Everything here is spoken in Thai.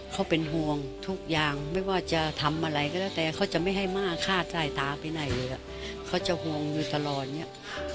เขาเป็นห่วงทุกอย่างไม่ว่าจะทำอะไรก็แล้วแต่เขาจะไม่ให้ม่าฆ่าสายตาไปไหนเลยเขาจะห่วงอยู่ตลอดเนี่ย